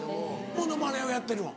モノマネをやってるの？